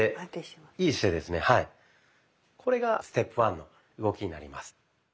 これがステップワンの動きになります。